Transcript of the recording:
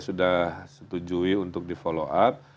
sudah setujui untuk di follow up